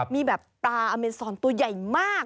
มีแบบปลาอเมซอนตัวใหญ่มาก